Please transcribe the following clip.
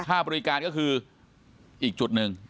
ค่าบริการก็คืออีกจุดหนึ่ง